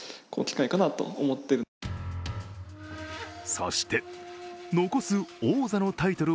そして残す王座のタイトル